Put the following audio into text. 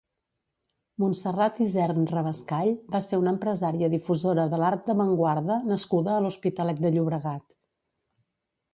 Montserrat Isern Rabascall va ser una empresària difusora de l'art d'avantguarda nascuda a l'Hospitalet de Llobregat.